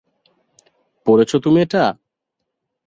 পড়েছো তুমি এটা?